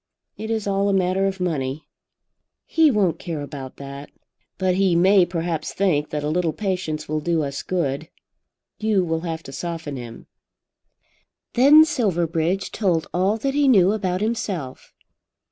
It is all a matter of money." "He won't care about that." "But he may perhaps think that a little patience will do us good. You will have to soften him." Then Silverbridge told all that he knew about himself.